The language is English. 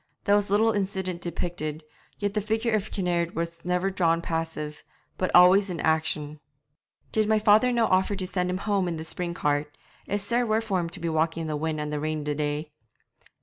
There was little incident depicted, yet the figure of Kinnaird was never drawn passive, but always in action. 'Did my father no' offer to send him home in the spring cart? It's sair wet for him to be walking in the wind and the rain the day.'